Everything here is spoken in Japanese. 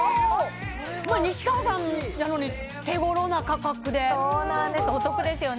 西川さんやのに手ごろな価格でそうなんですお得ですよね